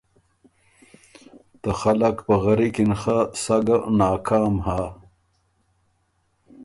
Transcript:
ته خلق پغری کی ن خه سَۀ ګه ناکام هۀ۔